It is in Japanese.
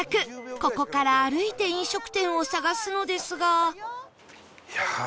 ここから歩いて飲食店を探すのですが